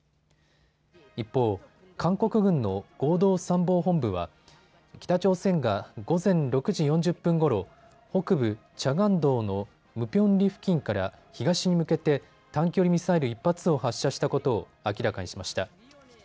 一方、韓国軍の合同参謀本部は北朝鮮が午前６時４０分ごろ、北部チャガン道のムピョンリ付近から東に向けて短距離ミサイル１発を発射したことを明らかにしました。